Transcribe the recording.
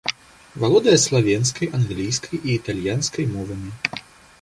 Валодае славенскай, англійскай і італьянскай мовамі.